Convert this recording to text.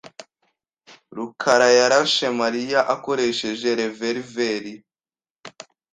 rukarayarashe Mariya akoresheje reververi.